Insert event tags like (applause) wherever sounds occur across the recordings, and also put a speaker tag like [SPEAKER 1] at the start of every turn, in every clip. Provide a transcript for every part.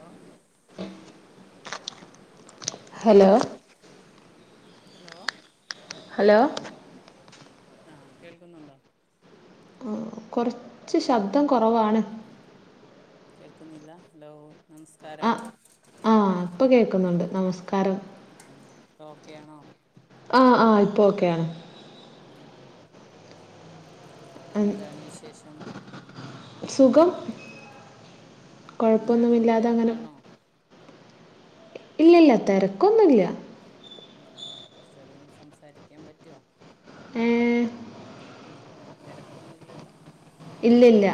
[SPEAKER 1] ആ hello hello hello
[SPEAKER 2] hello
[SPEAKER 1] ആഹ് കേൾക്കുന്നുണ്ടോ
[SPEAKER 2] ആ കുറച്ച്
[SPEAKER 1] ഹലോ
[SPEAKER 2] ശബ്ദം കുറവാണ്
[SPEAKER 1] കേൾക്കുന്നില്ല ഹലോ നമസ്കാരം
[SPEAKER 2] ആഹ് ഇപ്പൊ കേൾക്കുന്നുണ്ട് നമസ്കാരം
[SPEAKER 1] ഇപ്പോ ഓക്കെ ആണോ
[SPEAKER 2] ആഹ് ആഹ് ഇപ്പോക്കെയാണ്
[SPEAKER 1] എന്താണ് വിശേഷം
[SPEAKER 2] സുഖം
[SPEAKER 1] എന്താണോ
[SPEAKER 2] കൊഴപ്പൊന്നുമില്ലാതെ അങ്ങനെ
[SPEAKER 1] തിരക്കാണോ
[SPEAKER 2] ഇല്ലില്ല തെരക്കൊന്നൂല്ല
[SPEAKER 1] ഉം കൊറച്ച് നേരൊന്ന് സംസാരിക്കാൻ പറ്റുവോ
[SPEAKER 2] ഏഹ്
[SPEAKER 1] ഉം തെരക്കൊന്നുല്ലല്ലോ
[SPEAKER 2] ഇല്ലില്ല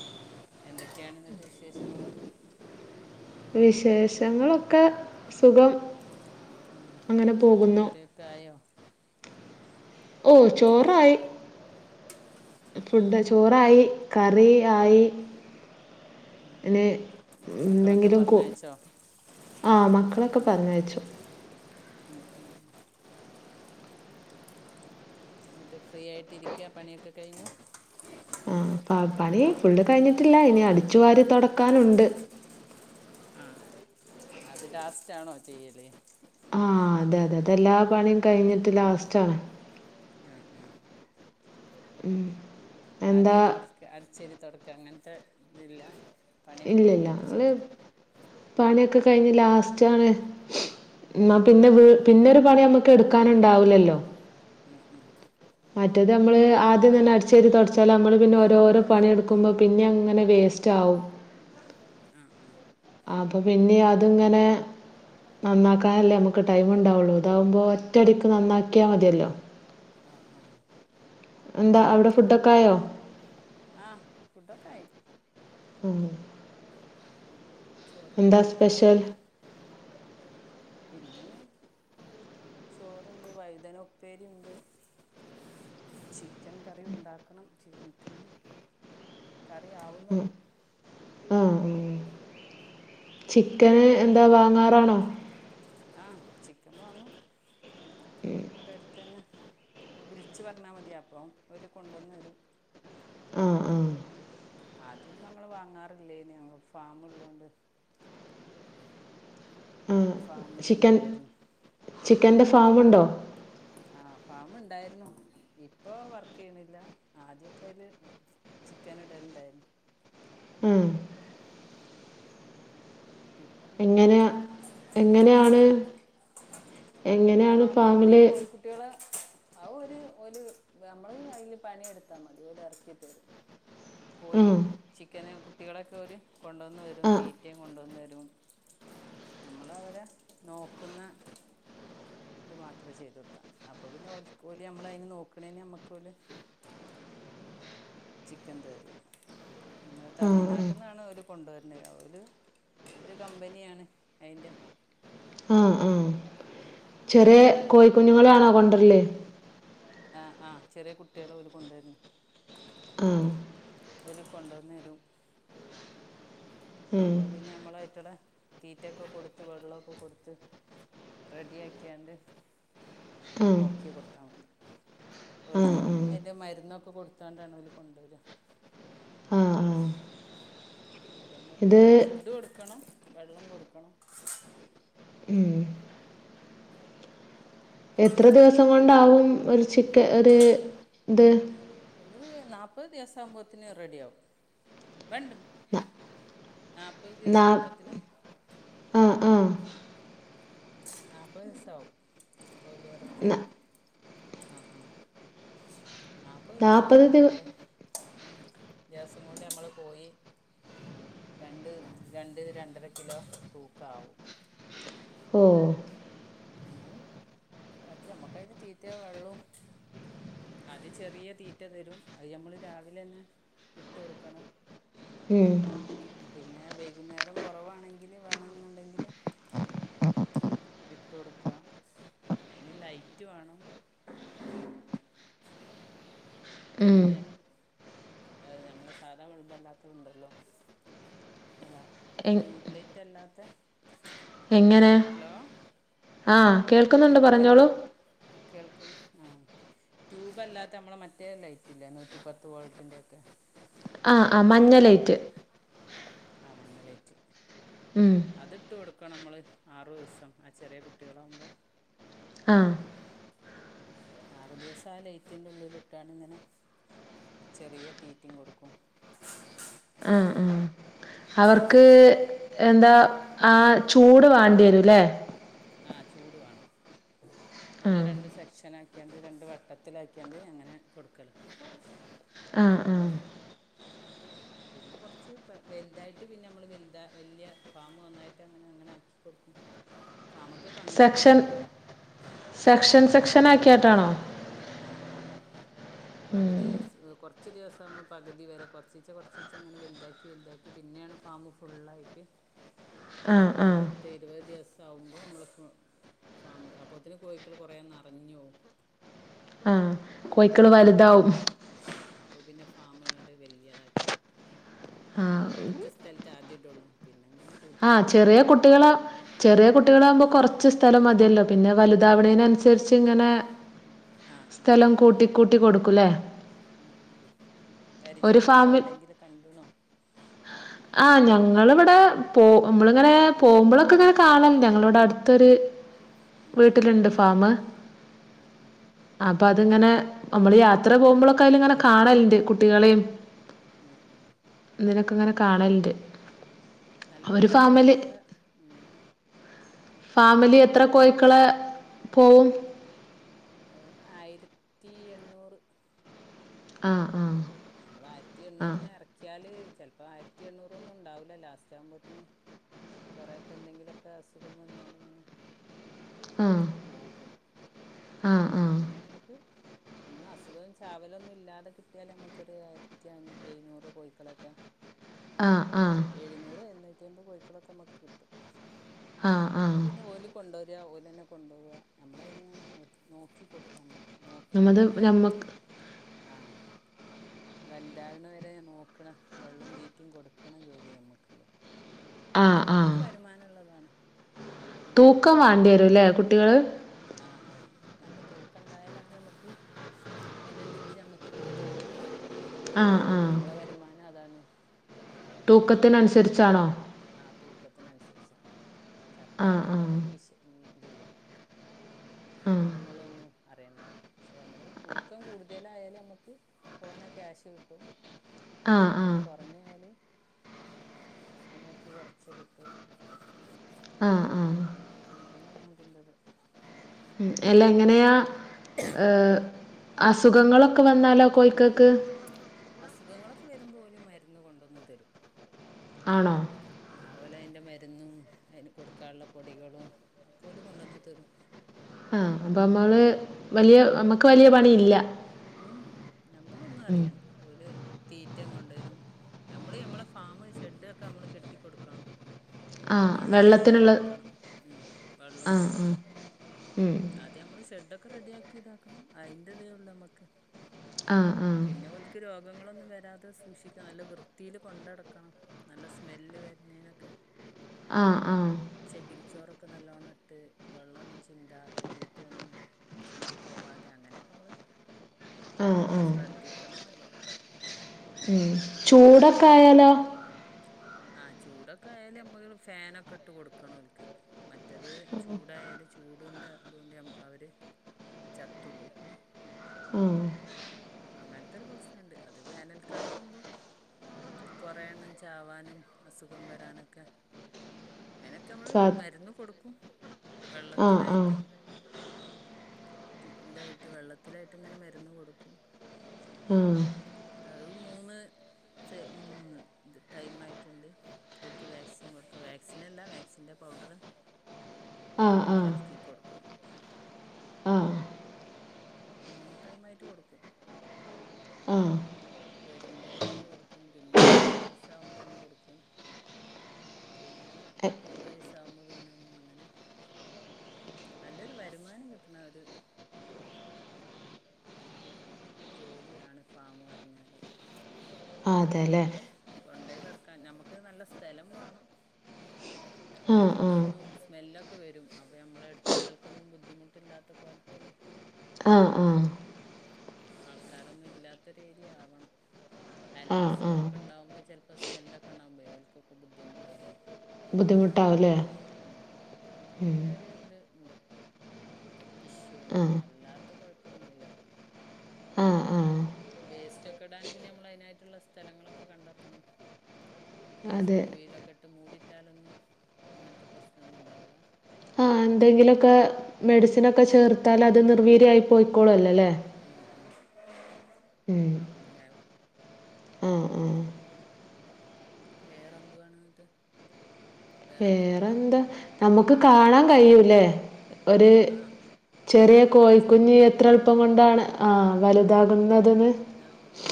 [SPEAKER 1] ആഹ് എന്തൊക്കെയാണ് ഇന്നത്തെ വിശേഷങ്ങള്
[SPEAKER 2] വിശേഷങ്ങളൊക്കെ സുഖം അങ്ങനെ പോകുന്നു
[SPEAKER 1] തായോ
[SPEAKER 2] ഓ ചോറായി ഫുഡ് ചോറായി കറി ആയി
[SPEAKER 1] ഉം
[SPEAKER 2] പിന്നെ
[SPEAKER 1] ഉം മക്കളൊക്കെ പറഞ്ഞയച്ചോ
[SPEAKER 2] ആഹ് മക്കളെയൊക്കെ പറഞ്ഞയച്ചു
[SPEAKER 1] ഉം ഉം എന്നിട്ട് ഫ്രീ ആയിട്ടിരിക്കാ പണിയൊക്കെ കഴിഞ്ഞ്
[SPEAKER 2] ആഹ് പണി ഫുള്ള് കഴിഞ്ഞിട്ടില്ല ഇനി അടിച്ചുവാരി തൊടക്കാനുണ്ട്
[SPEAKER 1] ആ അത് ലാസ്റ്റാണോ ചെയ്യല്
[SPEAKER 2] ആ അതെ അതെ അത് എല്ലാ പണീം കഴിഞ്ഞിട്ട് ലാസ്റ്റ് ആണ്
[SPEAKER 1] ഉം ഉം
[SPEAKER 2] ഉം
[SPEAKER 1] ആദ്യം തൊടച്ചക്ക് അടിച്ചോരി തൊടയ്ക്കാ അങ്ങനത്തെ ഇതില്ല പണിയൊക്കെ
[SPEAKER 2] ഇല്ലില്ല
[SPEAKER 1] കഴിഞ്ഞിട്ട്
[SPEAKER 2] ഞങ്ങൾ
[SPEAKER 1] ചെയ്യല്
[SPEAKER 2] പണിയൊക്കെ കഴിഞ്ഞ് ലാസ്റ്റാണ് എന്ന
[SPEAKER 1] ഉം ഉം
[SPEAKER 2] പിന്നെ വീ പിന്നൊരു പണി അമ്മക്ക് എടുക്കാനുണ്ടാവൂലല്ലോ
[SPEAKER 1] ഉം ഉം
[SPEAKER 2] മറ്റേത് നമ്മള് ആദ്യം തന്നെ അടിച്ച് വാരി തൊടച്ചാൽ നമ്മള് പിന്നെ ഓരോരോ പണിയെടുക്കുമ്പോ പിന്നി ഇങ്ങനെ വേസ് റ്റാവും
[SPEAKER 1] ആഹ് ആഹ്
[SPEAKER 2] അത് പിന്നെ അതിങ്ങനെ നന്നാക്കാനല്ലേ നമക്ക് ടൈം ഉണ്ടാവുള്ളൂ ഇതാവുമ്പോ ഒറ്റയടിക്ക് നന്നാക്ക്യാ മതിയല്ലോ
[SPEAKER 1] ആഹ് ആഹ്
[SPEAKER 2] എന്താ അവടെ ഫുഡൊക്കായോ
[SPEAKER 1] ആഹ് ഫുഡൊക്കെ ആയി
[SPEAKER 2] ഉം എന്താ
[SPEAKER 1] ചോറുംകറിയും ഒക്കെയായി
[SPEAKER 2] സ്പെഷ്യൽ
[SPEAKER 1] പിന്നെ ചോറുണ്ട് വഴുതന ഉപ്പേരിണ്ട് ചിക്കൻ കറി ഉണ്ടാക്കണം ചിക്കന് കറി ആവുന്നേയുള്ളൂ
[SPEAKER 2] ആഹ് ചിക്കന് എന്താ വാങ്ങാറാണോ
[SPEAKER 1] ആഹ് ചിക്കൻ വാങ്ങും ഇവടെ അടുത്തന്നെ ഓ വിളിച്ച് പറഞ്ഞാ മതി അപ്പം ഓല് കൊണ്ടുന്നരും
[SPEAKER 2] ആഹ് ആഹ്
[SPEAKER 1] ആദ്യോന്നും ഞങ്ങള് വാങ്ങാറില്ലേനു ഫാമ് ഉള്ളോണ്ട്
[SPEAKER 2] ആ
[SPEAKER 1] ഫാമില്
[SPEAKER 2] ചിക്കൻ
[SPEAKER 1] ഉണ്ടായിരുന്നു ഉം ഉം
[SPEAKER 2] ചിക്കൻ്റെ ഫാമുണ്ടോ
[SPEAKER 1] ആഹ് ഫാമ് ഉണ്ടാരുന്നു ഇപ്പൊ വർക്ക് ചെയ്യണില്ല ആദ്യൊക്കെ അയില് ചിക്കന് ടൽ ണ്ടായിന്നു
[SPEAKER 2] ഉം
[SPEAKER 1] ഇപ്പങ്ങനെ
[SPEAKER 2] എങ്ങനെയാ എങ്ങനെയാണ് എങ്ങനെയാണ്
[SPEAKER 1] ഫാമ്
[SPEAKER 2] ഫാമിൽ
[SPEAKER 1] നമ്മള് കോഴി കു ട്ടികളെ അവ ഒരു നമ്മൾ അതിൽ പണിയെടുത്താൽ മതി ഓല്റക്കിയിട്ട യരും
[SPEAKER 2] ആ
[SPEAKER 1] കോഴി ചിക്കന് കുട്ടികളൊക്കെര് കൊണ്ടന്നരും
[SPEAKER 2] ആ
[SPEAKER 1] തീറ്റയും കൊണ്ടുവന്ന് തരും നമ്മള അവരെനോക്കുന്ന ഇത് മാത്രമേ ചെയ്ത്ടുത്താൽ മതി അപ്പ പിന്നെ ഓല്നമ്മള അയ്ന് നോക്കണേ നമ്മക്ക ഓര് ചിക്കൻ തരും
[SPEAKER 2] ആ
[SPEAKER 1] തമിഴ്നാട്ടിന്ന്
[SPEAKER 2] ആ
[SPEAKER 1] ആണ് ഓല് കൊണ്ടരണെ ഓല് ഒരു കമ്പനിയാണ് അയിന്റെ
[SPEAKER 2] ആ ആ ചെറിയ കോഴിക്കുഞ്ഞുങ്ങളാണോ കൊണ്ടരല്
[SPEAKER 1] ആ ആ് ചെറിയ കുട്ടിളെ ഓല്കൊണ്ടരണ്
[SPEAKER 2] ഉം
[SPEAKER 1] ഒരു കൊണ്ടന്നരും
[SPEAKER 2] ഉം.
[SPEAKER 1] അപ്പൊ പിന്നെ നമ്മള അയ്റ്റങ്ങളെ തീറ്റൊക്കെ കൊടുത്ത് വെള്ളക്കെ കൊടുത്ത് റെഡി ആക്കിയാണ്ട്
[SPEAKER 2] ആ
[SPEAKER 1] നോക്കി കൊടുത്താ മതി
[SPEAKER 2] ആ
[SPEAKER 1] ഓൽക്ക്
[SPEAKER 2] ആ
[SPEAKER 1] അയിന്റെ മരുന്നൊക്കെ കൊടുത്തോണ്ടാണ് ഓല് കൊണ്ടരാ
[SPEAKER 2] ആ ആ
[SPEAKER 1] അപ്പം
[SPEAKER 2] ഇത്
[SPEAKER 1] നമ്മഅയ്റ്റക്ക് ഫുഡ് കൊടുക്കണം വെള്ളം കൊടുക്കണം
[SPEAKER 2] ഉം എത്ര ദിവസം കൊണ്ടാവും ഒരു ചിക്ക ഒരു ഇത്
[SPEAKER 1] ഒരുനാൽപ്പത് ദിവസം ആകുമ്പോഴത്തനന് റെഡിയ ആവുംഇപ്പണ്ട.
[SPEAKER 2] ന-
[SPEAKER 1] നാല്പ്പത് ദിവസ
[SPEAKER 2] നാ-
[SPEAKER 1] ആകുമ്പോത്തിന്
[SPEAKER 2] ആ
[SPEAKER 1] ഉം
[SPEAKER 2] ആ
[SPEAKER 1] നാപ്പ ഹ് സ്സാവും ബ്രോയ് ലറിന്ആഹ
[SPEAKER 2] ന-
[SPEAKER 1] ആഹ നാപ്പത് ദിവസാകുമ്പോളത്തിന് നമ്മള് ഉ ദിവസം കൊണ്ട് നമ്മള് കോഴി രണ്ട് രണ്ട് രണ്ടര കിലോ തൂക്ക ആവും
[SPEAKER 2] ഓ
[SPEAKER 1] നമ്മൾ ഇറക്കി അമ്മക്കതിന് തീറ്റയ വെള്ളവും അത് ചെറിയ തീറ്റ തരും അയ് ഞമ്മള് രാവിലെന്നെ ഇട്ടൊടുക്കണം
[SPEAKER 2] ഉം
[SPEAKER 1] പിന്നെ വൈകുന്നേരം കൊറവാണെങ്കിൽ വേണെന്നുണ്ടെങ്കില് ഇട്ട് കൊടുക്കപിന്നെ അയ്ന് ലൈറ്റ് വാണം
[SPEAKER 2] ഉം.
[SPEAKER 1] വല്യ നമ്മളെ സാധാ ബൾ മ്ബല്ലാത്ത ത്ണ്ടല്ലോ? അല്ല
[SPEAKER 2] എങ്-
[SPEAKER 1] ട്യൂബ് ലൈറ്റ് അല്ലാത്ത
[SPEAKER 2] എങ്ങനെ
[SPEAKER 1] ഹലോ
[SPEAKER 2] ആ കേൾക്കുന്നുണ്ട്
[SPEAKER 1] ട്യൂബല്ല
[SPEAKER 2] പറഞ്ഞോളൂ
[SPEAKER 1] കേൾക്കുന്നു ആഹ ട്യൂബ് അല്ലാത്ത നമ്മള മറ്റേ ലൈറ്റല്ലേ നൂറ്റിപ്പത്ത് വോൾട്ടിന്റെറെ ഒക്കെ
[SPEAKER 2] ആ ആ
[SPEAKER 1] സാധാ
[SPEAKER 2] മഞ്ഞ ലൈറ്റ്
[SPEAKER 1] ബൾബ്ണ്ടല്ലോ ആ മഞ്ഞ ലേറ്റ്
[SPEAKER 2] ഉം
[SPEAKER 1] അതിട്ട് കൊടുക്കനമ്മള് ആറു ദിവസം ആ ചെറിയ കുട്ടികളാകുമ്പോ
[SPEAKER 2] ആ
[SPEAKER 1] ആറു ദിവസം ആ ലേറ്റിന്റെള്ളിലിട്ടാണ്ഇങ്ങനെ ചെറിയ തീറ്റെ കൊടുക്കും
[SPEAKER 2] ആഹ ആഹ അവർക്ക് എന്താ ആ ചൂട് വാണ്ടി വരുല്ലേ?
[SPEAKER 1] ആഹ ചൂട് വാണം
[SPEAKER 2] ആ
[SPEAKER 1] ഓലെ രണ്ട് സെക്ഷൻ ആക്കിയാണ്ട് രണ്ട് വട്ടത്തിലാക്കിയാണ്ട് അങ്ങനെ കൊടുക്കലാ
[SPEAKER 2] ആ ആ
[SPEAKER 1] ഓലെ പിന്നെ കൊറച്ച് വലുതായിട്ട് പിന്നെ നമ്മള്‌വലു വലിയ ഫാമ് ഒന്നായിട്ട് അങ്ങനെ അങ്ങനെ ആക്കി കൊടുക്കും. ഫാമൊക്കെകണ്ട്ണോ
[SPEAKER 2] സെക്ഷൻ
[SPEAKER 1] അറിയോ?
[SPEAKER 2] സെക്ഷൻ സെക്ഷൻ ആക്കിയാട്ടാണോ
[SPEAKER 1] ആഹ് ആഹ് പകുതി കൊറച്ച് ദിവസ ആവുമ്പോ പകുതി വരെ കെർച്ചീച്ച കൊർച്ചീച്ച ഇങ്ങനെ വലുതായി വൽന്താക്കി പിന്നെയാണ് ഫാമ് ഫുുള്ളായിട്ട്
[SPEAKER 2] ആ ആ
[SPEAKER 1] ഒരു പത്ത് ഇരുപത് ദിവസം ആകുമ്പോൾ നമ്മള് പോ ഫാമ് അപ്പൊത്തിന് കോഴക്കള് കൊറേ നറഞ്ഞോവു
[SPEAKER 2] ആഹ കോഴക്കള് വലുതാവും.
[SPEAKER 1] ആഹ അപ്പൊ പിന്നെ ഫാമ് ഇങ്ങട്ട് വല്ല്യയതാക്കി കൊടുക്കും അതില് കൊറച്ച സ്ഥലത്ത് ആദ്യ ഇട്ടള്ളൂ പിന്നെ അങ്ങനെ കൂട്ടി
[SPEAKER 2] ആഹ
[SPEAKER 1] കൂട്ടി
[SPEAKER 2] ചെറിയ
[SPEAKER 1] ഇങ്ങനെ
[SPEAKER 2] കുട്ടികള ചെറിയ കുട്ടികളാവകുമ്പോ കൊറച്ച് ച്ച് സ്ഥല മതിയല്ലോ പിന്നെ വലുതാവണെന് അനുസരിച്ചു ഇങ്ങനെ
[SPEAKER 1] ആ
[SPEAKER 2] സ്ഥാലം കൂട്ടി കൂട്ടിൊടുല്ലേ?
[SPEAKER 1] മ് മ്
[SPEAKER 2] ഒരു
[SPEAKER 1] പരിചയം ഉണ്ടോ
[SPEAKER 2] ഫാമിൽ
[SPEAKER 1] എവിടെങ്കിലും കണ്ട്ണോ?
[SPEAKER 2] ആഹ് ഞങ്ങളിവിടെ പോ നമ്മളിങ്ങനെ പോകുമ്പോളൊക്കെ ഇങ്ങനെ കാന്ണും ഞങ്ങള ഇവിടെ അടുത്തൊരു
[SPEAKER 1] ഉം ഉം
[SPEAKER 2] വീട്ടിലുണ്ട് ഫാമ്
[SPEAKER 1] ആ ആ ആ
[SPEAKER 2] അപ്പൊ അതിങ്ങനെ നമ്മള് യാത്ര പോകുമ്പോഴൊക്കെ അതില ഇങ്ങനെ കാണലിണ്ട് കുട്ടികളെയും
[SPEAKER 1] മ് മ്
[SPEAKER 2] ഇതിനൊക്കെ ഇങ്ങനെ കാണൽണ്ട്
[SPEAKER 1] നല്ലൊരു വരുമാനംള്ള ഉം
[SPEAKER 2] ഫാമില് എത്ര കോഴക്കള പോവും?
[SPEAKER 1] ഒരു ആയിരത്തി എണ്ണൂറ്.
[SPEAKER 2] ആഹ് ആഹ്
[SPEAKER 1] അപ്പപ്പോ നമ്മൾ ആയിരത്തി
[SPEAKER 2] ആ
[SPEAKER 1] എണ്ണൂറിന് ഇറക്കിയാല് ചിലപ്പോ ആയിരത്തി എണ്ണൂറൊന്നും ഉണ്ടാവില്ല ലാസ്റ്റ് ആകുബോത്തിന് കൊറെേൊക്കെ എന്തെങ്കിലുമൊക്കെ അസുഖം വന്നാണ്ട് ഇങ്ങനെ
[SPEAKER 2] ആ
[SPEAKER 1] പോകും
[SPEAKER 2] ആ ആ
[SPEAKER 1] പിന്നെ നമുക്ക് ഒന്നും അസുഖം ചാവലൊന്നും ഇല്ലാതെ കിട്ടി കട്ടിയല് നമുക്ക്ൊ ആയിരത്തി അ എഴുന്നൂറ് കൊയിക്കളക്കെ
[SPEAKER 2] ആഹ് ആഹ്
[SPEAKER 1] എയ്ന്നൂർ എയ്ന്നൂറ്റി അബത് കോഴിക്കോളൊക്കെ നമക് കിട്ടും.
[SPEAKER 2] ആ ആ
[SPEAKER 1] ഇപ്പൊ പിന്നെ ഓല് കൊണ്ടരാ ഓലനെ കൊണ്ടോവാ നമ്മളയ്യിനെങ്ങ്ങനെ നോക്കി കൊടുത്താൽ മതി. നോക്കി
[SPEAKER 2] നമ്മത് നമുക്ക്
[SPEAKER 1] വളർത്തണആ വലുതാവുന്ന വരെ നോക്കണ വെള്ളവും തീറ്റിയും കൊടുക്കണം ജോലിയേ നമുക്കുള്ളൂ.
[SPEAKER 2] ആ ആ
[SPEAKER 1] നല്ലൊരു വരുമാനം ഉള്ളതാണ് നല്ലൊരു
[SPEAKER 2] തൂക്കം
[SPEAKER 1] ജോലിയാണ് അത്.
[SPEAKER 2] വേണ്ടി വരും അല്ലേ കുട്ടികൾ
[SPEAKER 1] ആഹ് ആഹ നല്ല തൂക്ക ഉണ്ടായാലാണ് നമ്മക്ക് അതിനനുസരിച്ച് നമ്മക്ക് കിട്ടുള്ളു.
[SPEAKER 2] ആ ആ
[SPEAKER 1] നമ്മളെ വരുമാനം അതാണ്ഒലെ
[SPEAKER 2] തൂക്കത്തിനനുസരിച്ചാണോ?
[SPEAKER 1] ആ തൂക്കത്തിനനുസരിച്ചാണ്
[SPEAKER 2] ആ
[SPEAKER 1] ചത്താലൊന്ന്
[SPEAKER 2] ആ
[SPEAKER 1] ഞമക്ക് വിശ മ് ഇതില്ല
[SPEAKER 2] ആ
[SPEAKER 1] നമ്മളൊന്നും അറിയണ്ട പക്ഷേ നമ്മൾ തൂക്കം കൂടുതലായാൽ നമുക്ക് തോന ക്യാഷ് കിട്ടും
[SPEAKER 2] ആ ആ
[SPEAKER 1] തൂക്കം കുറഞൊയാൽ നമ്മക്ക് കുറച്ചേ കിട്ടുള്ളൂ.
[SPEAKER 2] ആഹ ആഹ
[SPEAKER 1] അങ്ങനെയാണ് അതിൻറത്
[SPEAKER 2] ഉ അല്ല എങ്ങനെയാ ഏ അസുഖങ്ങളൊക്കെ വന്നാലോ കോഴക്കോക്ക്
[SPEAKER 1] അസുഖങ്ങളൊക്കെ വരുമ്പോഓല് മരുന്ന് കൊണ്ടുവന്ന് തരും.
[SPEAKER 2] ആണോ?
[SPEAKER 1] ആഒലെ അയിന്റെ മരുന്നും അതിന് കൊടുക്കാള്ള പൊടികളും ഒക്കെ ഓല് കൊണ്ടൊന്നുതരും.
[SPEAKER 2] ആഹ അപ്പൊ നമ്മള് വലിയ നമ്മുക്ക് വലിയ പണി ഇല്ല.
[SPEAKER 1] മ് മ് നമ്മ ഒന്നും അറിയണ്ട ഓല് തീറ്റം കൊണ്ടുരും ഞമ്മള് ഞമ്മളെ ഫാമു ഷെഡ്ക്കെ ഞമ്മള് കെട്ടി കൊടുക്കണം
[SPEAKER 2] ആ
[SPEAKER 1] വെള്ളം ഞമ്മള്
[SPEAKER 2] വെള്ളത്തിനുള്ള
[SPEAKER 1] കൊടുക്കണം ഉം വെള്ളം
[SPEAKER 2] ആ ആ
[SPEAKER 1] കൊടുക്കണം
[SPEAKER 2] ഉം.
[SPEAKER 1] അത് ഞമ്മള് ഷെഡ് ഒക്കെ റെഡി ആക്കി ഇതാക്കണം അതിന്റെ ഇതേ ഉള്ളൂ നമ്മക്ക്
[SPEAKER 2] ആ ആ
[SPEAKER 1] പിന്നെ ഓല് ക്ക് രോഗങ്ങളൊന്നും വരാതെ സൂക്ഷിക്കണം നല്ല വൃത്തിയില് കൊണ്ടടക്കണം നല്ല സ്മെല്ല് വരുന്നേനൊക്കെ
[SPEAKER 2] ആഹ് ആഹ്
[SPEAKER 1] ചെകിരിച്ചോറൊക്കെ നല്ലോണ്ണം ഇട്ട് വെള്ളവൊന്നും ചിന്താതെ തീറ്റ ഒന്നും ചിന്തി പോവാതെ അങ്ങനെക്കെ മ്മള്
[SPEAKER 2] ആ ആ ഉം
[SPEAKER 1] ശ്രദ്ധിക്കണം നല്ലോണം
[SPEAKER 2] ഉം ചൂടൊക്കായാലോ
[SPEAKER 1] ആഹ് ചൂടൊക്കെ ആയാല് നമ്മ ഫാനൊക്കെ ഇട്ട് കൊടുക്കണം ഓല്ക്ക് മറ്റത് ചൂടായാല് ചൂടിൻ്റെ അതുകൊണ്ട് ഞമ്മ അവര് ചത്തു പോവും
[SPEAKER 2] ഉം
[SPEAKER 1] അങ്ങനത്തെ ഒരു പ്രശ്നംണ്ട് അത് വേനൽക്കാലം ആകുമ്പോ കുറെ എണ്ണം ചാവാനും അസുഖം വരാനൊക്കെ അതിനൊക്കെ നമ്മള്
[SPEAKER 2] സ
[SPEAKER 1] മരുന്ന് കൊടുക്കും
[SPEAKER 2] ആ ആ
[SPEAKER 1] വെള്ളത്തിലായിട്ടും എന്തായിട്ട് വെള്ളത്തിലായിട്ട് ഇങ്ങനെ മരുന്ന് കൊടുക്കും
[SPEAKER 2] ഉം
[SPEAKER 1] അത് മൂന്ന് (unintelligible) ടൈം ആയിട്ടുണ്ട് ഓല്ക്ക് വാക്സിൻ കൊടുത്ത് വാക്സിനല്ല വാക്സിന്റെ പൗഡറ്
[SPEAKER 2] ആ ആ
[SPEAKER 1] കൽക്കിക്കൊടുക്കണം
[SPEAKER 2] ആ
[SPEAKER 1] മൂന്ന് ടൈംആയിട്ട് കൊടുക്കും
[SPEAKER 2] ആ
[SPEAKER 1] വരുമ്പഴേ ഒന്ന് കൊടുക്കും പിന്നെ ഒരു പത്ത്സ ആവുമ്പോ ഒന്ന് കൊടുക്കും പിന്നെ പത്ത് ഇരു വയസ ആവുമ്പോ പിന്നെ ഒന്നും അങ്ങനെ നല്ലൊരു വരുമാനം കിട്ടണ ഒരു ഇതാണ് നല്ലൊരു ജോലിയാണ് ഫാമ് പറഞ്ഞാലൊക്കെ പക്ഷെ
[SPEAKER 2] അതെല്ലേ
[SPEAKER 1] മ്മക്ക് കൊണ്ട പോയി കിടക്കാൻ ഞമ്മക്ക് നല്ല സ്ഥലം വേണം
[SPEAKER 2] ആ ആ
[SPEAKER 1] എടുത്തൊന്നും സ്മെല്ലൊക്കെ വരും അപ്പോ ഞമ്മളെ അടുത്തുള്ളവർക്കൊന്നും ബുദ്ധിമുട്ടില്ലാത്ത കോലത്തില്
[SPEAKER 2] ആഹ് ആഹ്
[SPEAKER 1] ആൾക്കാരൊന്നും ഇല്ലാത്ത ഒരേരിയ ആവണം
[SPEAKER 2] ആ ആ
[SPEAKER 1] അയൽവാസികളൊക്കെ ണ്ടാവുമ്പോ ചിലപ്പോ സ്മെല്ലൊക്കെണ്ടക്മ്പോഴെ ഓല്ക്കൊക്ക ബുദ്ധിമുട്ടാവില്ലേ
[SPEAKER 2] ബുദ്ധിമുട്ടാവും അല്ലേ
[SPEAKER 1] ഉം അപ്പൊ
[SPEAKER 2] ഉം
[SPEAKER 1] അങ്ങനൊരു ഇത് ഇണ്ട് ഇഷ്യു
[SPEAKER 2] ആ
[SPEAKER 1] ഉണ്ട് അല്ലാത്ത കൊഴപ്പൊന്നുല്ല
[SPEAKER 2] ആ ആ
[SPEAKER 1] വേസ്റ്റ് ഒക്കെ ഇടാനും പിന്നെ നമ്മള് അതിനായിട്ടുള്ള സ്ഥലങ്ങളൊക്കെ കണ്ടെത്തണം
[SPEAKER 2] അതെ
[SPEAKER 1] വേസ്റ്റും കുയിലൊക്കെ ഇട്ട് മൂടിട്ടാലൊന്നും അങ്ങനത്തെ പ്രശ്നം ഒന്നും ഉണ്ടാവില്ലന്നു
[SPEAKER 2] എന്തെങ്കിലുക്കെ മെഡിസിനൊക്കെ ചേർത്താല് അത് നിർവീര്യവായി പോയിക്കോളും അല്ലോ അല്ലേ ഉം
[SPEAKER 1] ആഹ് അങ്ങനാവും
[SPEAKER 2] ആ ആ
[SPEAKER 1] വേറെ എന്തുവാണ് എന്നിട്ട് വേറെന്തൊക്കെയാണ്
[SPEAKER 2] വേറെന്താ നമുക്ക് കാണാൻ കഴിയൂല്ലേ ഒരു
[SPEAKER 1] ആ
[SPEAKER 2] ചെറിയ
[SPEAKER 1] ഓലെ വളർച്ച
[SPEAKER 2] കോഴിക്കുഞ്ഞ്
[SPEAKER 1] നമ്മളിങ്ങനെ
[SPEAKER 2] എത്ര
[SPEAKER 1] കാണും
[SPEAKER 2] എളുപ്പം കൊണ്ടാണ് ആ
[SPEAKER 1] ആ ആ ആ
[SPEAKER 2] വലുതാകുന്നതെന്ന്
[SPEAKER 1] എന്നാൽ ഓക്കെ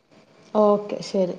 [SPEAKER 1] (unintelligible)
[SPEAKER 2] ഓക്കെ ശരി